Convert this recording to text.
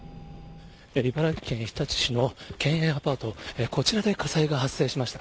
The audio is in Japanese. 茨城県日立市の県営アパート、こちらで火災が発生しました。